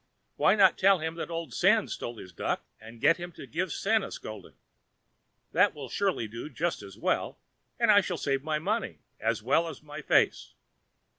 Why not tell him that old Sen stole his duck, and get him to give Sen a scolding? That will surely do just as well, and I shall save my money as well as my face.